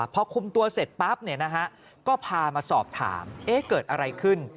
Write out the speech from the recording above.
พอคุมตัวเสร็จปั๊บก็พามาสอบถามเกิดอะไรขึ้น